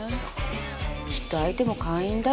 きっと相手も会員だよ。